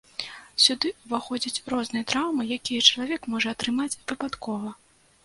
Сюды ўваходзяць розныя траўмы, якія чалавек можа атрымаць выпадкова.